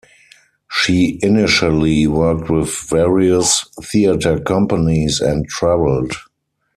She initially worked with various theatre companies, and travelled.